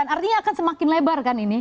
artinya akan semakin lebar kan ini